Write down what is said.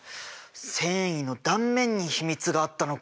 繊維の断面に秘密があったのか。